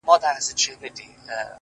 پوهېږې په جنت کي به همداسي ليونی یم،